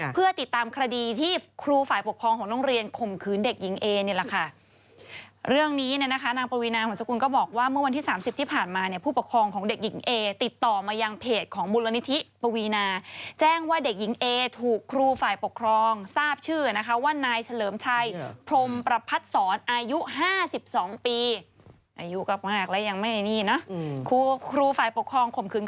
เพื่อติดตามคดีที่ครูฝ่ายปกครองของโรงเรียนข่มคืนเด็กหญิงเอนี่แหละค่ะเรื่องนี้เนี่ยนะคะนางปวีนาหงศกุลก็บอกว่าเมื่อวันที่๓๐ที่ผ่านมาเนี่ยผู้ปกครองของเด็กหญิงเอติดต่อมายังเพจของมูลนิธิปวีนาแจ้งว่าเด็กหญิงเอถูกครูฝ่ายปกครองทราบชื่อนะคะว่านายเฉลิมชัยพรมประพัทธ์สอนอายุ๕๒ปีอายุ